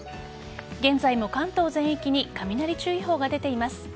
現在も、関東全域に雷注意報が出ています。